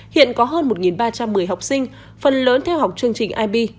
ba trăm một mươi học sinh phần lớn theo học chương trình ib